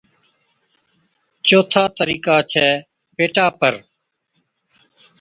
چوٿا طريقا ڇَي پيٽا پر